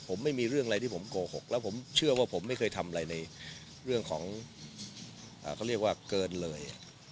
ผมไม่มีเรื่องอะไรที่ผมโกหกแล้วผมเชื่อว่าผมไม่เคยทำอะไรในเรื่องของเขาเรียกว่าเกินเลย